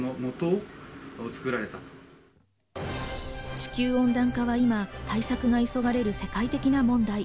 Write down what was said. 地球温暖化は今、対策が急がれる世界的な問題。